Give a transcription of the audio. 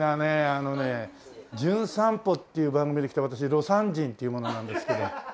あのね『じゅん散歩』っていう番組で来た私魯山人っていう者なんですけど。